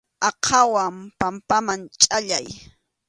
Aqhawan pampaman chʼallay.